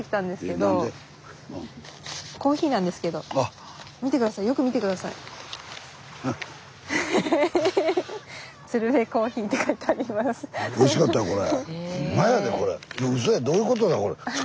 どういうことこれ。